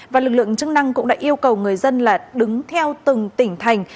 và lực lượng chức năng cũng đã yêu cầu người dân là đứng theo từng tỉnh thành